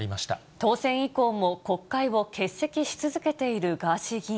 当選以降も国会を欠席し続けているガーシー議員。